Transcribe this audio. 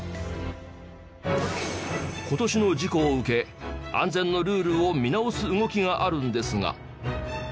今年の事故を受け安全のルールを見直す動きがあるんですが。